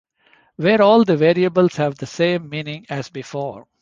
Where all the variables have the same meaning as before.